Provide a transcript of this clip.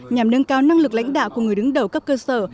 nhằm nâng cao năng lực lãnh đạo của người đứng đầu cấp cơ sở